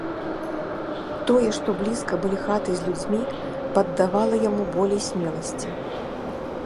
Тое, што блізка былі хаты з людзьмі, паддавала яму болей смеласці.